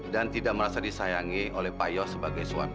dan tidak merasa disayangi oleh paios sebagai suaminya